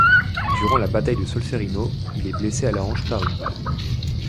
Durant la bataille de Solferino il est blessé à la hanche par une balle.